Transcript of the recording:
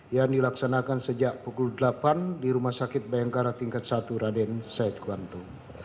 yang dilaksanakan sejak pukul delapan di rumah sakit bayangkara tingkat satu raden saidkuanto